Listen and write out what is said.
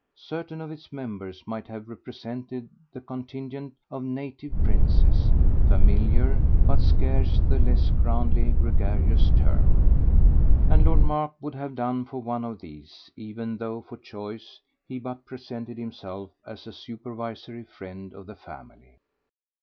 Certain of its members might have represented the contingent of "native princes" familiar, but scarce the less grandly gregarious term! and Lord Mark would have done for one of these even though for choice he but presented himself as a supervisory friend of the family.